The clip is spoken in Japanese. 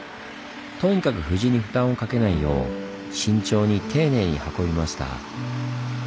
とにかく藤に負担をかけないよう慎重に丁寧に運びました。